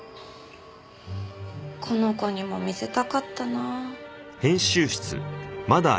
この子にも見せたかったなぁ。